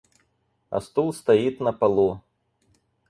А стул стоит на полу.